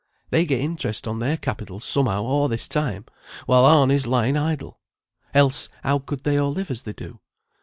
They get interest on their capital somehow a' this time, while ourn is lying idle, else how could they all live as they do?